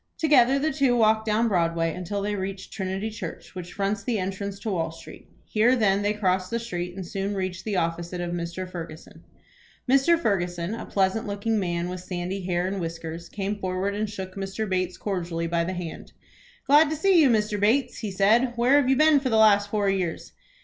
Together the two walked down Broadway until they reached Trinity Church, which fronts the entrance to Wall Street. Here then they crossed the street, and soon reached the office of Mr. Ferguson. Mr. Ferguson, a pleasant looking man with sandy hair and whiskers, came forward and shook Mr. Bates cordially by the hand. "Glad to see you, Mr. Bates," he said. "Where have you been for the last four years?"